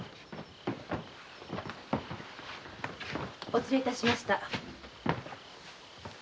お連れ致しました。